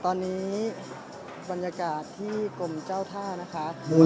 ตอนนี้บรรยากาศที่กรมเจ้าท่านะคะ